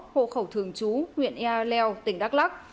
hộ khẩu thường trú huyện ea leo tỉnh đắk lắc